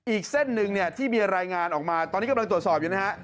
อีกเส้นหนึ่งเนี่ยที่มีรายงานออกมาตอนนี้กำลังตรวจสอบอยู่นะฮะ